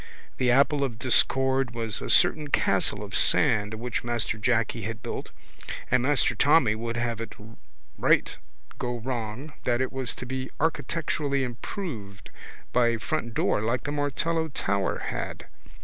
The apple of discord was a certain castle of sand which Master Jacky had built and Master Tommy would have it right go wrong that it was to be architecturally improved by a frontdoor like the Martello tower had.